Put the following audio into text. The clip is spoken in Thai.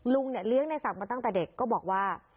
ลุงเนี่ยเลี้ยงในศักดิ์มาตั้งแต่เด็กก็บอกว่า